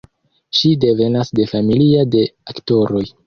Ŝi devenas de familia de aktoroj.